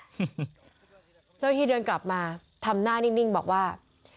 เจ้าหน้าที่เดินกลับมาทำหน้านิ่งบอกว่า